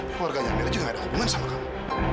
keluarganya miri juga gak ada hubungan sama kamu